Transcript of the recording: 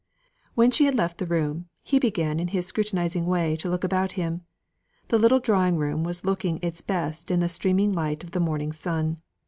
When she had left the room, he began in his scrutinising way to look about him. The little drawing room was looking its best in the streaming light of the morning sun.